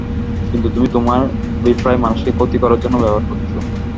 কিন্তু, তুমি তোমার অভিপ্রায় মানুষকে ক্ষতি করার জন্য ব্যবহার করেছো।